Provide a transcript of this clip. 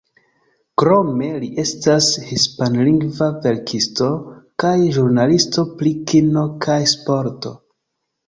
Krome, li estas hispanlingva verkisto, kaj ĵurnalisto pri kino kaj sporto.